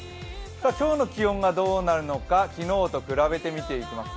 今日の気温がどうなるのか昨日と比べて見ていきます。